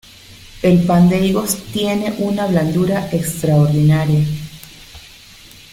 El pan de higos tiene una blandura extraordinaria.